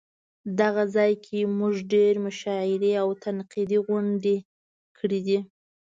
دغه ځای کې مونږ ډېرې مشاعرې او تنقیدي غونډې کړې دي.